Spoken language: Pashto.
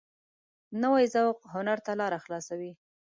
نوی ذوق هنر ته لاره خلاصوي